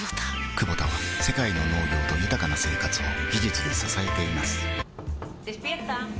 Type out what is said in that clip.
クボタは世界の農業と豊かな生活を技術で支えています起きて。